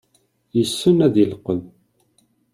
Yessen ad ileqqem.